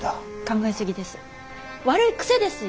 考え過ぎです。